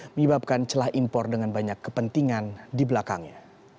menyebabkan celah impor dengan banyak kepentingan di belakangnya